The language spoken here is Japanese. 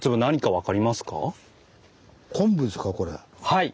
はい！